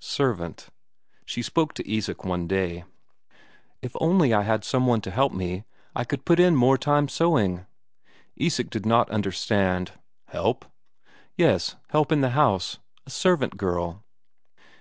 Servant! She spoke to Isak one day. "If only I had some one to help me, I could put in more time sewing." Isak did not understand. "Help?" "Yes, help in the house a servant girl."